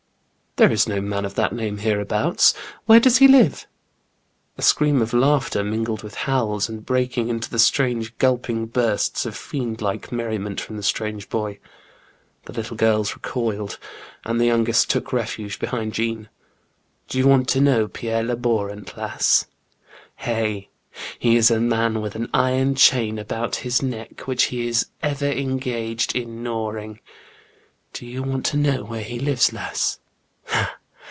"There is no man of that name hereabouts. Where does he live ?" A scream of laughter mingled with howls, and break ing into strange gulping bursts of fiendlike merriment from the strange boy. The little girls recoiled, and the youngest took refuge behind Jeanne. "Do you want to know Pierre Labourant, lass? Hey, he is a man with an iron chain about his neck, which he is ever engaged in gnawing. Do you want to JEAN GRENIEB. 89 know where he lives, lass